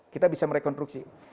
kita bisa merekonstruksi